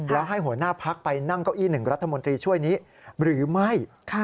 แล้วให้หัวหน้าพักไปนั่งเก้าอี้๑รัฐมนตรีช่วยนี้หรือไม่